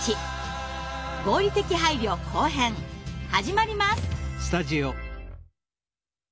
「合理的配慮後編」始まります。